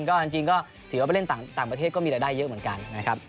ก็จริงก็ถือว่าไปเล่นต่างประเทศก็มีรายได้เยอะเหมือนกันนะครับ